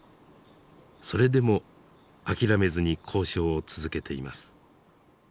それでも諦めずに交渉を続けています。